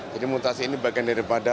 jadi mutasi ini bagian daripada